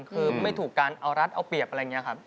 คือไม่ถูกการเอารัฐเอาเปรียบอะไรอย่างนี้ครับ